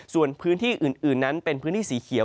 ส่วนพื้นที่อื่นนั้นเป็นพื้นที่สีเขียว